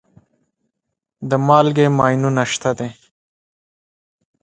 د مالګې ماینونه شته.